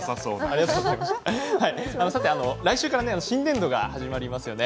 さて来週から新年度が始まりますよね